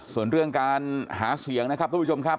ส่วนเรื่องการหาเสียงนะครับทุกผู้ชมครับ